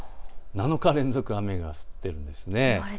７日連続で雨が降っているんですね。